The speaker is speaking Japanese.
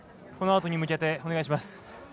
このあとに向けてお願いします。